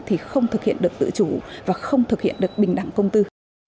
thì không thực hiện được tự chủ và không thực hiện được bình đẳng công tư